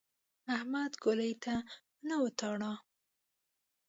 احمد ګولۍ ته نه وتاړه.